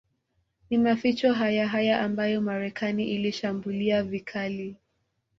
Ni maficho hayahaya ambayo Marekani Ilishambulia vikali